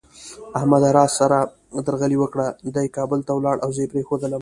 احمد را سره درغلي وکړه، دی کابل ته ولاړ او زه یې پرېښودلم.